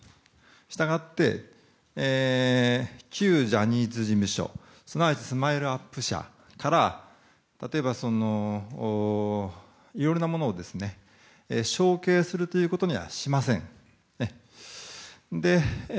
従って、旧ジャニーズ事務所すなわちＳＭＩＬＥ‐ＵＰ．社から例えば、いろいろなものを承継することはしません。